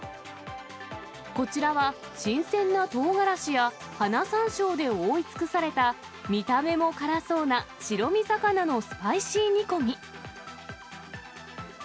こちらは新鮮なとうがらしや花さんしょうで覆い尽くされた、見た目も辛そうな白身魚のスパイシー煮込み。